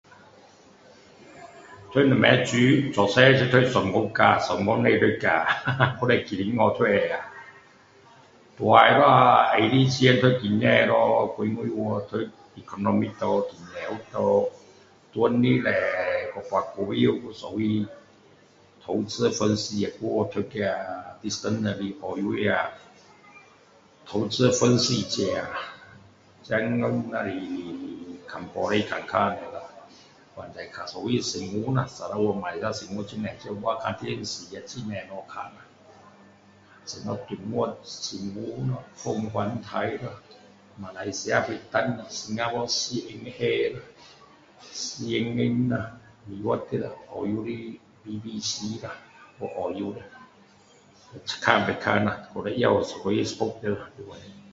读什么书，从小都数学呀数学都不用读都不用记大了就读经济咯投资分析澳洲那个投资分析现在只是报纸看看而已反正比较新闻啦马来西亚新闻很多什么新闻凤凰台咯新加坡cnk 咯CNN 咯美国的澳洲的AEC 咯七看八看啦也有sport 的